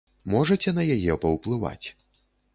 Можаце на яе паўплываць?